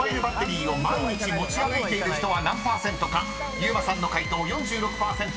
［ゆうまさんの解答４６％。